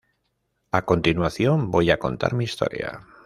A continuación, voy a contar mi historia.